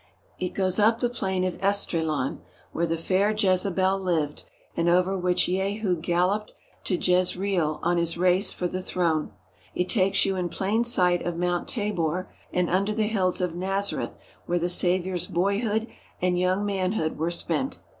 It goes up the plain of Esdraelon, where the fair Jezebel lived and over which Jehu galloped to Jez reel on his race for the throne. It takes you in plain sight of Mount Tabor and under the hills of Nazareth where the Saviour's boyhood and young manhood were spent.